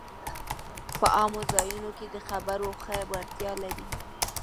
په عامه ځایونو کې د خبرو ښه وړتیا لري